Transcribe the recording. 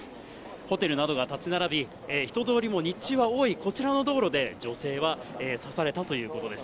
ホテルなどが建ち並び、人通りも日中は多いこちらの道路で、女性は刺されたということです。